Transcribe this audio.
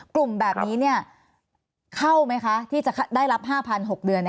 กลุ่มแบบนี้เข้าไหมคะที่จะได้รับ๕๐๐๖เดือน